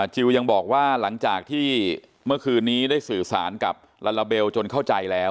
ยังบอกว่าหลังจากที่เมื่อคืนนี้ได้สื่อสารกับลาลาเบลจนเข้าใจแล้ว